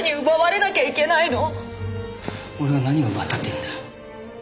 俺が何を奪ったっていうんだ？